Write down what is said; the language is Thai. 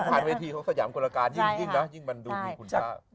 ยิ่งผ่านเวทีของสยามกุฎการณ์ยิ่งนะยิ่งมันดูมีคุณภาพ